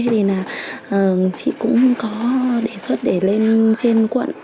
thì là chị cũng có đề xuất để lên trên quận